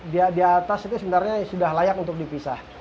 di atas itu sebenarnya sudah layak untuk dipisah